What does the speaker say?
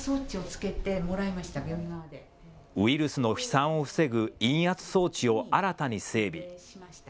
ウイルスの飛散を防ぐ陰圧装置を新たに整備。